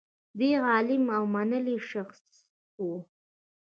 دی عالم او منلی شخص و.